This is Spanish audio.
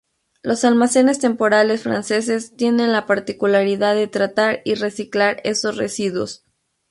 Los almacenes temporales franceses tienen la particularidad de tratar y reciclar esos residuos.